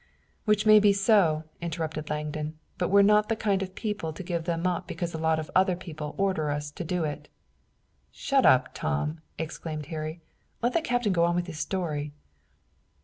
"Which may be so," interrupted Langdon, "but we're not the kind of people to give them up because a lot of other people order us to do it." "Shut up, Tom," exclaimed Harry. "Let the captain go on with his story."